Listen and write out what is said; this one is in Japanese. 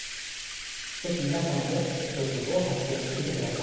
是非皆さんも独り言を作成してみてください。